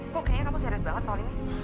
kok kayaknya kamu serius banget soal ini